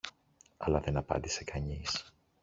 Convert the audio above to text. αλλά δεν απάντησε κανείς